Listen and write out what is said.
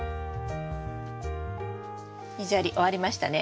水やり終わりましたね。